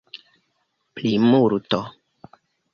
plimulto